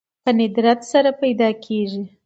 په ندرت سره پيدا کېږي